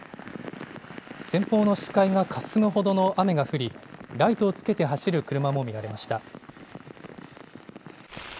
先方の視界がかすむほどの雨が降り、ライトをつけて走る車も見られました。